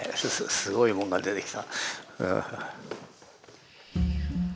すごいもんが出てきた。